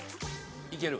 いける？